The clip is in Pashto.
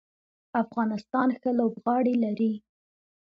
افغانستان ښه لوبغاړي لري.